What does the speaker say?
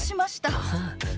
ああ。